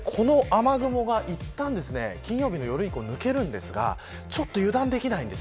この雨雲がいったん金曜日の夜以降抜けますが油断できないんです。